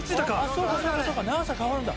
そうか長さ変わるんだ。